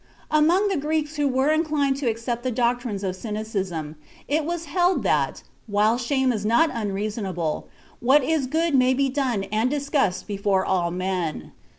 Among the Greeks who were inclined to accept the doctrines of Cynicism, it was held that, while shame is not unreasonable, what is good may be done and discussed before all men.